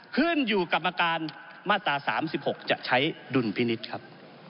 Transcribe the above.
ขึ้นอยู่กับการมาตรา๓๖จะใช้ดุลพินิษฐ์ครับ